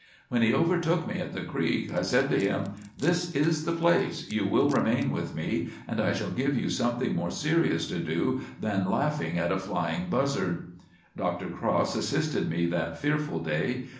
When he overtook me at the creek, I said to him: "This is the place. You will remain with me and I shall give you something more serious to do than laughing at a flying buzzard." Dr. Cross assisted me that fearful day.